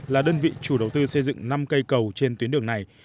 là đơn vị chủ đầu tư xây dựng năm cây cầu trên tuyến đường này